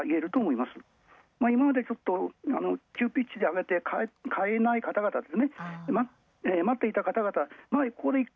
今までちょっと急ピッチであげて買えない方、以上です。